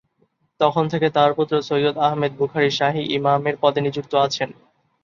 তখন থেকে তার পুত্র সৈয়দ আহমেদ বুখারী শাহী ইমামের পদে নিযুক্ত আছেন।